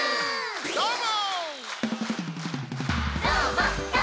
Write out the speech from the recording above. どーも！